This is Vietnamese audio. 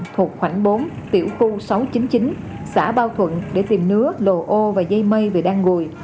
thuộc khoảnh bốn tiểu khu sáu trăm chín mươi chín xã bảo thuận để tìm nứa lồ ô và dây mây về đan gùi